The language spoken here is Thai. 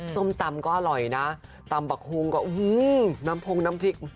ส้มตำก็อร่อยนะตำบักโฮงก็น้ำพงน้ำพริก